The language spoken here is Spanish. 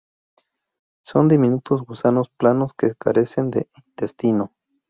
Son diminutos gusanos planos que carecen de intestino.